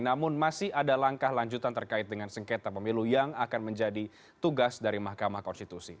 namun masih ada langkah lanjutan terkait dengan sengketa pemilu yang akan menjadi tugas dari mahkamah konstitusi